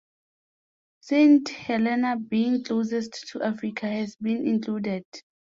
Saint Helena, being closest to Africa, has been included.